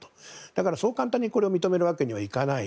だから、そう簡単にこれを認めるわけにはいかない。